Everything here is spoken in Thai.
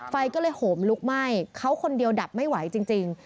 ไฟก็เลยโหมลุกไหม้เขาคนเดียวดับไม่ไหวจริง